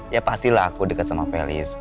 ya pastilah aku dekat sama felis